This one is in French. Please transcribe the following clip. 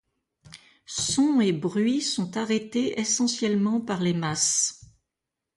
Sons et bruits sont arrêtés essentiellement par les masses.